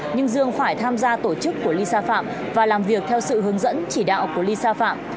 nhưng dương phải tham gia tổ chức của lisa phạm và làm việc theo sự hướng dẫn chỉ đạo của lisa phạm